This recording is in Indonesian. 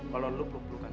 kalau lo perlu perlu kan